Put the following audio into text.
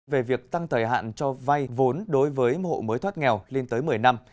về việc tăng thời hạn cho vay vốn đối với một hộ mới thoát nghèo lên tới một mươi năm